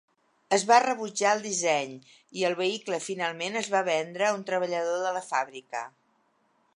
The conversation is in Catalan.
Es va rebutjar el disseny i el vehicle finalment es va vendre a un treballador de la fàbrica.